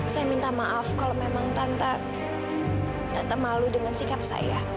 saya minta maaf kalau memang tanpa malu dengan sikap saya